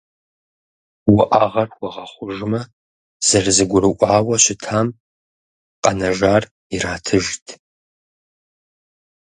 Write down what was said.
Уӏэгъэр хуэгъэхъужмэ, зэрызэгурыӏуауэ щытам къэнэжар иратыжт.